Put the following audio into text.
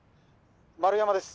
「丸山です。